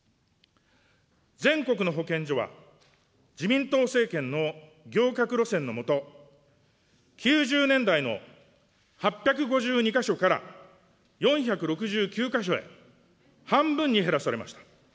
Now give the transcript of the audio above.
全国の保健所は自民党政権の行革路線の下、９０年代の８５２か所から４６９か所へ、半分に減らされました。